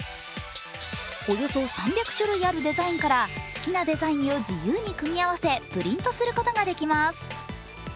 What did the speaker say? およそ３００種類あるデザインから好きなデザインを自由に組み合わせ、プリントすることができます。